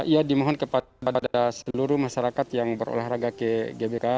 ya dimohon kepada seluruh masyarakat yang berolahraga ke gbk